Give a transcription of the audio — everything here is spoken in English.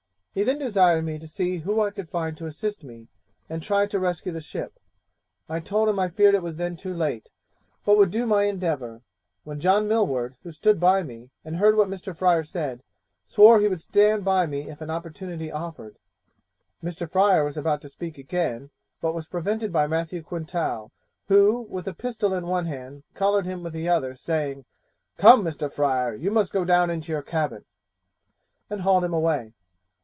He then desired me to see who I could find to assist me, and try to rescue the ship; I told him I feared it was then too late, but would do my endeavour; when John Millward, who stood by me, and heard what Mr. Fryer said, swore he would stand by me if an opportunity offered. Mr. Fryer was about to speak again, but was prevented by Matthew Quintal, who, with a pistol in one hand, collared him with the other, saying, "Come, Mr. Fryer, you must go down into your cabin"; and hauled him away.